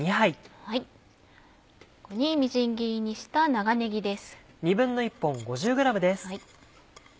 ここにみじん切りにした長ねぎです。